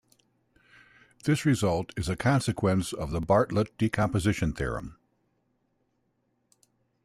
This result is a consequence of the Bartlett decomposition theorem.